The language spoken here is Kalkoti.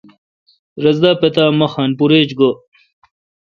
رس دا پتا می خان پور ایچ گو۔